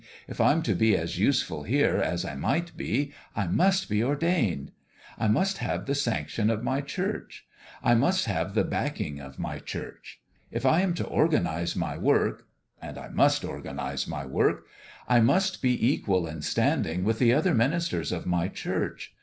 If I'm to be as useful here as I might be, I must be ordained. I must have the sanction of my Church. I must have the back 274 BOUND THROUGH ing of my Church. If I am to organize my work and I must organize my work I must be equal in standing with the other ministers of my Church.